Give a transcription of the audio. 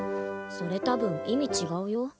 それたぶん意味違うよ。